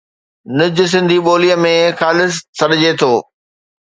نج سنڌي ٻوليءَ ۾ خالص سڏجي ٿو.